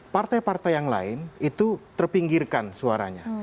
partai partai yang lain itu terpinggirkan suaranya